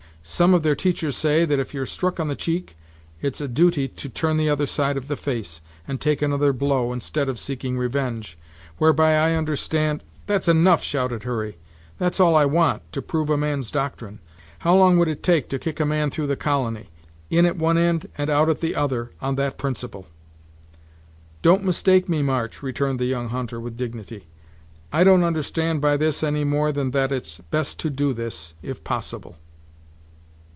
Some of their teachers say, that if you're struck on the cheek, it's a duty to turn the other side of the face, and take another blow, instead of seeking revenge, whereby I understand " "That's enough!" shouted Hurry; "that's all I want, to prove a man's doctrine! How long would it take to kick a man through the colony in at one ind and out at the other, on that principle?" "Don't mistake me, March," returned the young hunter, with dignity; "I don't understand by this any more than that it's best to do this, if possible.